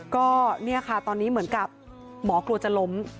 ก็เนี่ยค่ะตอนนี้เหมือนกับหมอกลัวจะล้ม